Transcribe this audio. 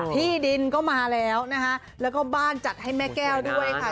ที่ดินก็มาแล้วนะคะแล้วก็บ้านจัดให้แม่แก้วด้วยค่ะ